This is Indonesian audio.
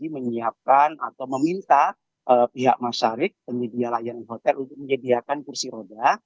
menyiapkan atau meminta pihak masyarif penyedia layanan hotel untuk menyediakan kursi roda